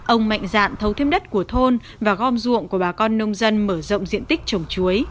ông mạnh dạn thấu thêm đất của thôn và gom ruộng của bà con nông dân mở rộng diện tích trồng chuối